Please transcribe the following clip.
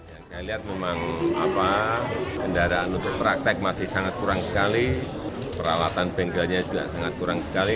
yang saya lihat memang kendaraan untuk praktek masih sangat kurang sekali peralatan bengkelnya juga sangat kurang sekali